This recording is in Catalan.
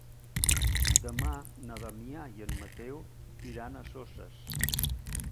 Demà na Damià i en Mateu iran a Soses.